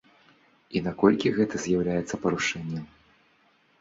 І наколькі гэта з'яўляецца парушэннем?